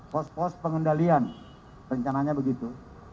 pos pos pengendalian rencananya begitu